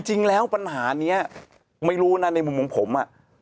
จริงแล้วปัญหานี้ไม่รู้นะในมุมของผม